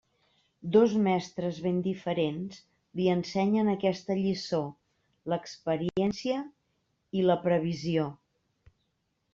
Dos mestres, ben diferents, li ensenyen aquesta lliçó: l'experiència i la previsió.